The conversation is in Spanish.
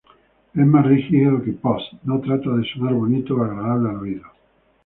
Es más rígido que "Post"; no trata de sonar bonito o agradable al oído.